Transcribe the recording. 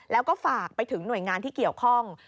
แล้วก็ฝากไปถึงหน่วยงานที่เกี่ยวข้อง